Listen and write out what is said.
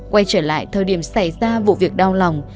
quay trở lại thời điểm xảy ra vụ việc đau lòng